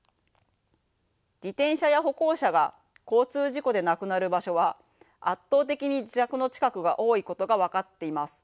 自転車や歩行者が交通事故で亡くなる場所は圧倒的に自宅の近くが多いことが分かっています。